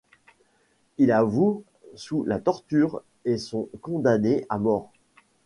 Ils avouent sous la torture et sont condamnés à mort.